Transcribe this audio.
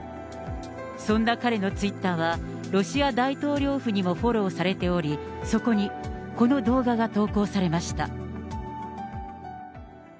そんな彼のツイッターは、ロシア大統領府にもフォローされており、そこに、この動画が投稿されました。